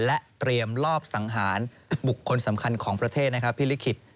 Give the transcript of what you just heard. และเตรียมรอบสังหารบุคคลสำคัญของประเทศระบบภิลิศภิษภิษฐรรณ์